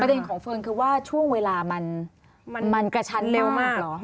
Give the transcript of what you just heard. ประเด็นของเฟิร์นคือว่าช่วงเวลามันกระชันมากหรือ